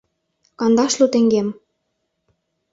Кандашлу теҥгем.